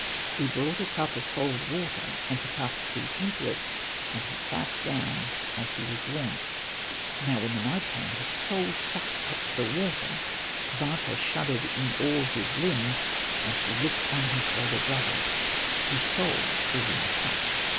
He brought a cup of cold water, and he cast the seed into it : and he sat down, as he was wont. Now when the night came his soul sucked up the water ; Bata shuddered in all his limbs, and he looked on his elder brother ; his soul was in the cup.